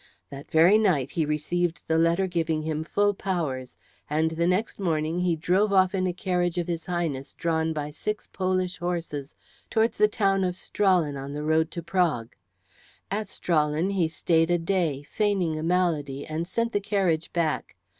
That very night he received the letter giving him full powers, and the next morning he drove off in a carriage of his Highness drawn by six Polish horses towards the town of Strahlen on the road to Prague. At Strahlen he stayed a day, feigning a malady, and sent the carriage back.